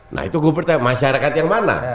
nah itu gue pertanyaan masyarakat yang mana